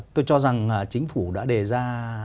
tôi cho rằng chính phủ đã đề ra